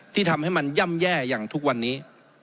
ที่ทำให้มันย่ำแย่อย่างทุกวันนี้